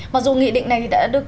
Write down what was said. mặc dù nghị định này đã được